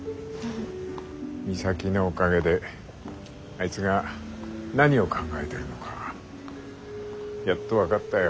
美咲のおかげであいつが何を考えてるのかやっと分かったよ。